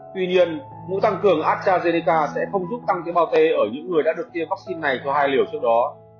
tuy nhiên mũi tăng cường astrazeneca sẽ không giúp tăng tế bào t ở những người đã được tiêm vắc xin này cho hai liều trước đó